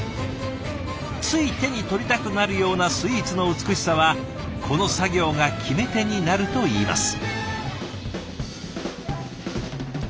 つい手に取りたくなるようなスイーツの美しさはこの作業が決め手になるといいます。